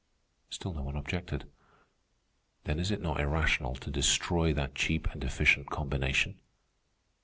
Still no one objected. "Then is it not irrational to destroy that cheap and efficient combination?"